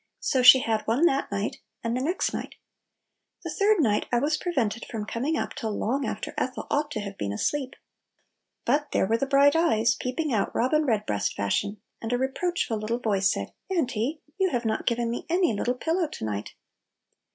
So she had one that night, and the next night. The third night I was prevented from coming up till long after Ethel ought to have been asleep. But there were the bright eyes peeping out robin red breast fashion, and a reproachful little voice said, "Auntie, you have not given me any little pillow to night!